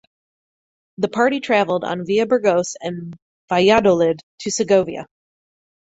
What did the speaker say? The party travelled on via Burgos and Valladolid to Segovia.